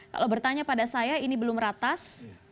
kalau bertanya pada saya ini belum ratas